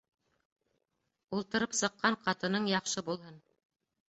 Ултырып сыҡҡан ҡатының яҡшы булһын.